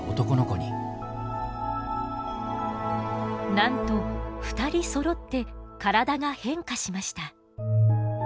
なんと２人そろって体が変化しました。